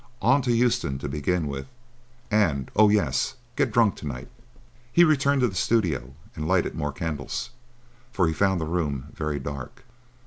"On to Euston, to begin with, and—oh yes—get drunk to night." He returned to the studio, and lighted more candles, for he found the room very dark.